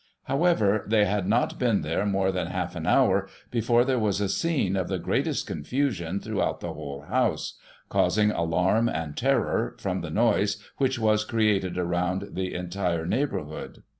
However, they had not been there more than half an hour before there was a scene of the greatest confusion throughout the whole house, causing alarm and terror, from the noise which was created, around the entire neighbour hood.